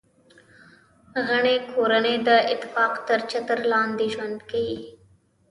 غټۍ کورنۍ د اتفاق تر چتر لاندي ژوند کیي.